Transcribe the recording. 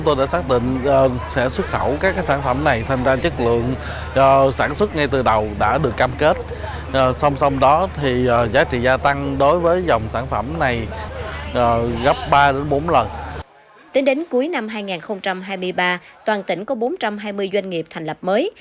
tính đến cuối năm hai nghìn hai mươi ba toàn tỉnh có bốn trăm hai mươi doanh nghiệp thành lập mới